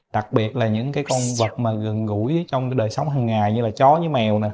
đặc biệt là những cái con vật mà gần gũi trong đời sống hằng ngày như là chó với mèo nè